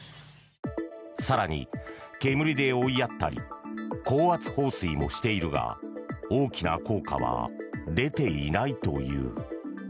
更に、煙で追いやったり高圧放水もしているが大きな効果は出ていないという。